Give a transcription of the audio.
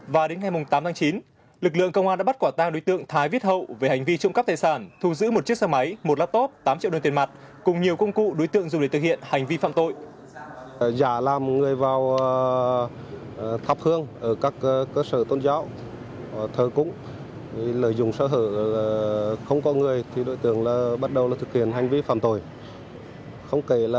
và đến ngày tám tháng chín lực lượng công an đã bắt quả tang đối tượng thái viết hậu về hành vi trộm cắp tài sản thu giữ một chiếc xe máy một laptop tám triệu đồng tiền mặt cùng nhiều công cụ đối tượng dùng để thực hiện hành vi phạm tội